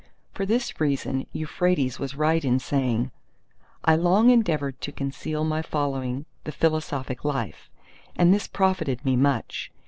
For this reason Euphrates was right in saying, "I long endeavoured to conceal my following the philosophic life; and this profited me much.